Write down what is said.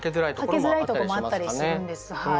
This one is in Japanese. かけづらいとこもあったりするんです。